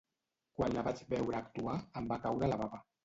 Quan la vaig veure actuar, em va caure la bava.